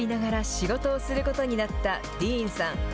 仕事をすることになったディーンさん。